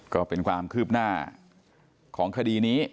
ก็เป็นความคืบหน้าของคดีนี้